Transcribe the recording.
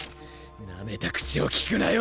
ナメた口をきくなよ